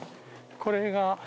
これが。